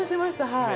はい。